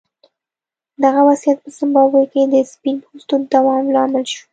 دغه وضعیت په زیمبابوې کې د سپین پوستو د دوام لامل شو.